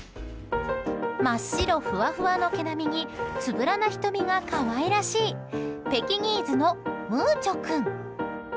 真っ白ふわふわの毛並みにつぶらな瞳が可愛らしいペキニーズのムーチョ君。